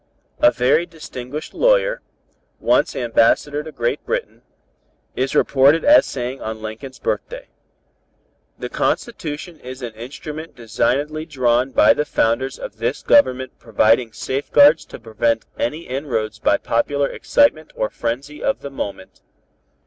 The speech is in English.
"A very distinguished lawyer, once Ambassador to Great Britain, is reported as saying on Lincoln's birthday: 'The Constitution is an instrument designedly drawn by the founders of this Government providing safeguards to prevent any inroads by popular excitement or frenzy of the moment.'